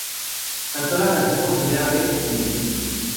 Cantó la canción por primera vez en el Quiz!